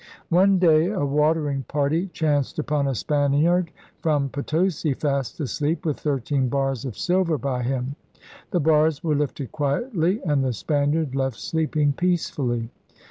One day a watering party chanced upon a Span iard from Potosi fast asleep with thirteen bars of silver by him. The bars were lifted quietly and the Spaniard left sleeping peacefully.